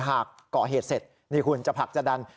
ก่อเหตุเสร็จนี่คุณจะผลักจะดัน